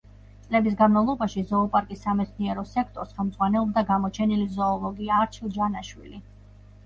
წლების განმავლობაში ზოოპარკის სამეცნიერო სექტორს ხელმძღვანელობდა გამოჩენილი ზოოლოგი არჩილ ჯანაშვილი.